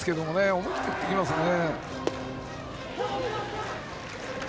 思い切って振ってきますね。